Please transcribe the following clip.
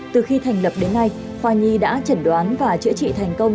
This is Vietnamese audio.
từ khi thành lập đến nay khoa nhi đã chẩn đoán và chữa trị thành công